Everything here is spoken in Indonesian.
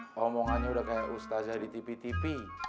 ngomongannya udah kayak ustazah di t p t p